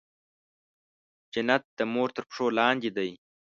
جنت د مور تر پښو لاندې دی.